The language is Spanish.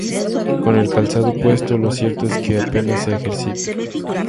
Con el calzado puesto, lo cierto es que apenas se ejercita.